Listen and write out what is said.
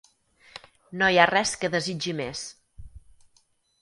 No hi ha res que desitgi més.